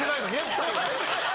２人はね。